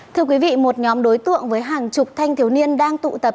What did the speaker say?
thưa quý vị một nhóm đối tượng với hàng chục thanh thiếu niên đang tụ tập